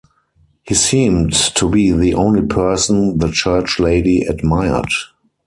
He seemed to be the only person the Church Lady admired.